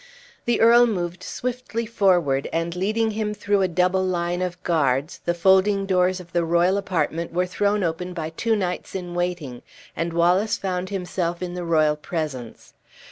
The earl moved swiftly forward, and leading him through a double line of guards, the folding doors of the royal apartment were thrown open by two knights in waiting, and Wallace found himself in the royal presence.